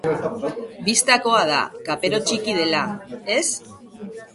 Bistakoa da, Kaperottiki dela, ez?